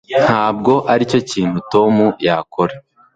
Ntabwo aricyo kintu Tom yakora